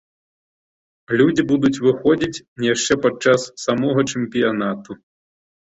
Людзі будуць выходзіць яшчэ пад час самога чэмпіянату.